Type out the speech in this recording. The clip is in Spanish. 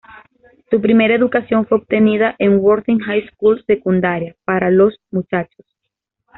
Su primera educación fue obtenida en Worthing High School secundaria para los muchachos.